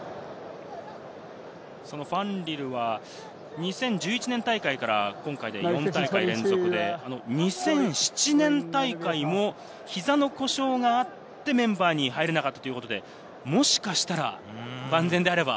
ファンリルは２０１１年大会から今回で４大会連続で、２００７年大会も膝の故障があって、メンバーに入れなかったということで、もしかしたら万全であれば。